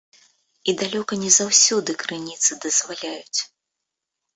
І далёка не заўсёды крыніцы дазваляюць.